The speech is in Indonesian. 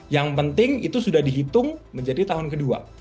yang penting itu sudah dihitung menjadi tahun kedua